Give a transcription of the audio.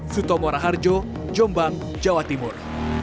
sutomora harjo jombang jawa timur